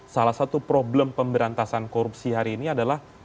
salah satu problem pemberantasan korupsi hari ini adalah